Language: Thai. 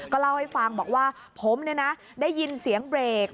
เล่าให้ฟังบอกว่าผมได้ยินเสียงเบรก